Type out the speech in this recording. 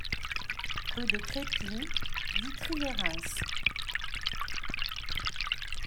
Rue de Crépy, Witry-lès-Reims